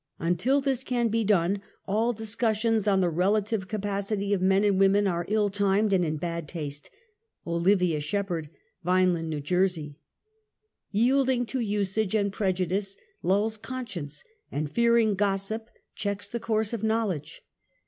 Until this can be done all discussions on the relative capacity of men and women are ill timed and in bad taste. Olivia Shepherd, Vineland, IsT. J. Yielding to usage and prejudice lulls conscience, and fearing gossip checks the course of knowledge.